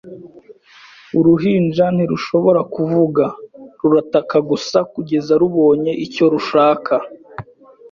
Uruhinja ntirushobora kuvuga, rurataka gusa kugeza rubonye icyo rushaka